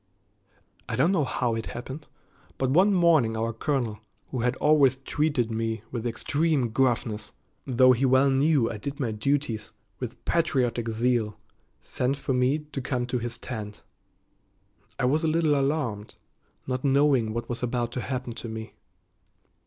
I don't know how it happened, but one morning our colonel, who had always treated me with extreme gruffness, though he well knew I did my duties with patriotic zeal, sent for me to come to his tent. I was a little alarmed, not knowing what was about to happen to me.